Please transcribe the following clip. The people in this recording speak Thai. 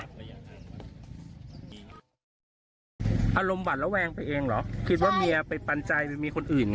มันบอกแล้วว่าไม่ต้องห่วงไม่ต้องไปห่วงมัน